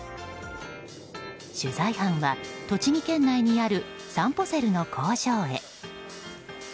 取材班は栃木県内にあるさんぽセルの工場へ。